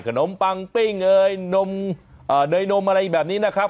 ขนมปังปิ้งเอ่ยนเนยนมอะไรแบบนี้นะครับ